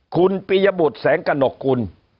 คุณปียบุตรแสงกระหนกกุล